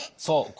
そう。